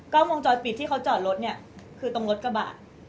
วงจรปิดที่เขาจอดรถเนี่ยคือตรงรถกระบะ